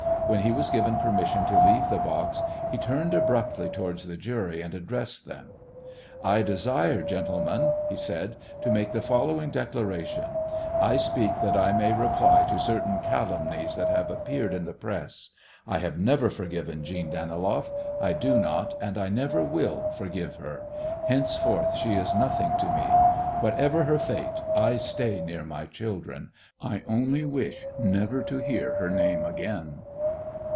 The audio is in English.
When he was given permission to leave the box he turned abruptly towards the jury and addressed them. "I desire, gentlemen," he said, "to make the following declaration: I speak that I may reply to certain calumnies that have appeared in the press. I have never forgiven Jeanne Daniloff. I do not, and I never will, forgive her. Henceforth she is nothing to me. Whatever her fate, I stay near my children. I only wish never to hear her name again."